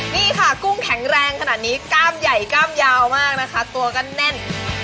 นี่ค่ะกุ้งแข็งแรงขนาดนี้กล้ามใหญ่กล้ามยาวมากนะคะตัวก็แน่น